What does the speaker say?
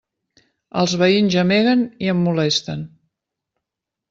Els veïns gemeguen i em molesten.